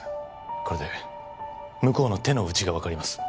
これで向こうの手の内が分かります